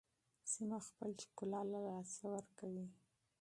سیمه خپل ښکلا له لاسه ورکوي.